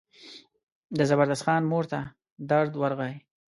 د زبردست خان مور ته درد ورغی.